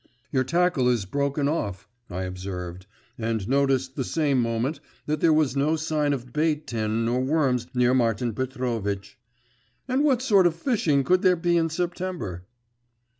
'Your tackle is broken off,' I observed, and noticed the same moment that there was no sign of bait tin nor worms near Martin Petrovitch.… And what sort of fishing could there be in September?